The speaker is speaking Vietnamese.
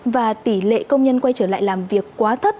và tỷ lệ công nhân quay trở lại làm việc quá thấp